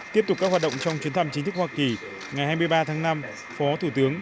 tiếp tục các hoạt động trong chuyến thăm chính thức hoa kỳ ngày hai mươi ba tháng năm phó thủ tướng